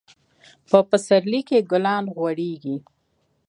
په پسرلي کي ګلان غوړيږي.